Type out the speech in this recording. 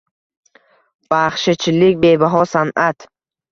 Baxshichilik – bebaho san’atng